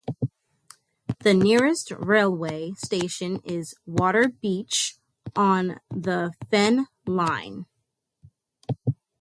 The nearest railway station is Waterbeach, on the Fen Line.